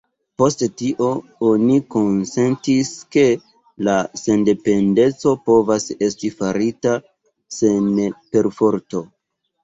Post tio, oni konsentis, ke la sendependeco povas esti farita sen perforto.